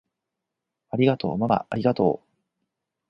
ありがとうままありがとう！